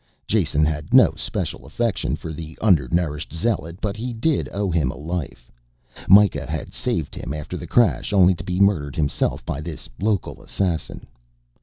Jason had no special affection for the under nourished zealot, but he did owe him a life. Mikah had saved him after the crash, only to be murdered himself by this local assassin.